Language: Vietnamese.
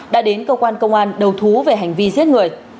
đã đến cơ quan công an đầu thú về hành vi giết người